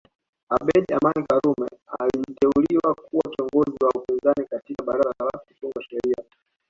Abeid Amani Karume aliteuliwa kuwa kiongozi wa upinzani katika baraza la kutunga sheria